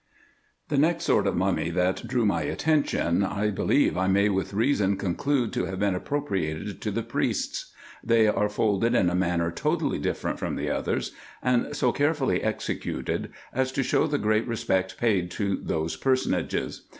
The next sort of mummy that drew my attention, I believe I may with reason conclude to have been appropriated to the priests. They are folded in a manner totally different from the others, and so carefully executed, as to show the great respect paid to those per sonages.